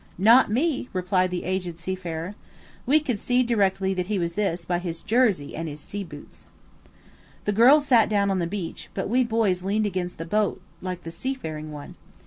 "Not me," replied the aged seafarer. We could see directly that he was this by his jersey and his sea boots. The girls sat down on the beach, but we boys leaned against the boat like the seafaring one.